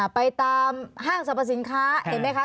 ไปตามห้างสรรพสินค้าเห็นไหมคะ